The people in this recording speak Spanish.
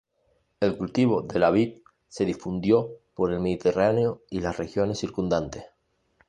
El cultivo de la vid se difundió por el Mediterráneo y las regiones circundantes.